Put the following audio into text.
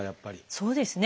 そうですね。